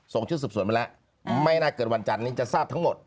ชุดสืบสวนไปแล้วไม่น่าเกินวันจันนี้จะทราบทั้งหมด